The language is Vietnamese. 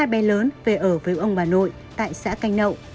ba bé lớn về ở với ông bà nội tại xã canh nậu